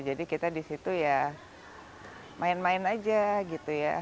jadi kita di situ ya main main aja gitu ya